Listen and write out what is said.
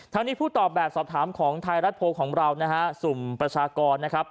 นี้ผู้ตอบแบบสอบถามของไทยรัฐโพลของเรานะฮะสุ่มประชากรนะครับ